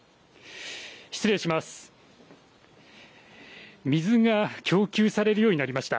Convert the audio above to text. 失礼します。